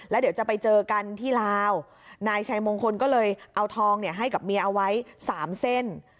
แล้วเดี๋ยวจะไปเจอกันที่ลาวนายชัยมงคลก็เลยเอาทองให้กับเมียเอาไว้๓เส้น